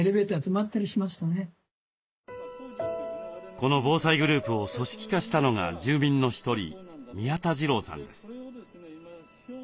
この防災グループを組織化したのが住民の一人宮田次朗さんです。